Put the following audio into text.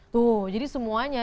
tuh jadi semuanya